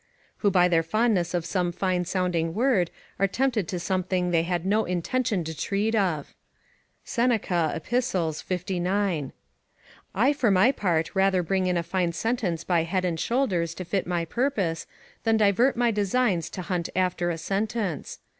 ["Who by their fondness of some fine sounding word, are tempted to something they had no intention to treat of." Seneca, Ep., 59.] I for my part rather bring in a fine sentence by head and shoulders to fit my purpose, than divert my designs to hunt after a sentence.